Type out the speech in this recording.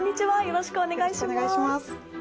よろしくお願いします。